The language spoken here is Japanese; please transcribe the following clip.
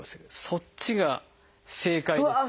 そっちが正解です。